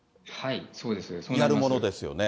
やるものですよね。